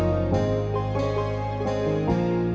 nanti kita berjalan